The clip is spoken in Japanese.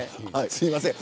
すいません。